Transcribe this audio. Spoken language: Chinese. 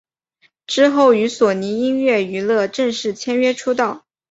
之后与索尼音乐娱乐正式签约出道。